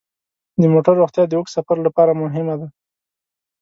د موټرو روغتیا د اوږد سفر لپاره مهمه ده.